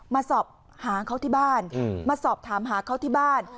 มาสอบหาเขาที่บ้านมาสอบถามหาเขาที่บ้าน